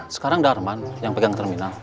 sekarang darman yang pegang terminal